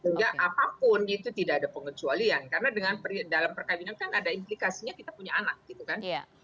sehingga apapun itu tidak ada pengecualian karena dalam perkawinan kan ada implikasinya kita punya anak gitu kan